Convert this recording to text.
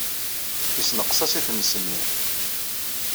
Yessenqes-as i tmes-nni.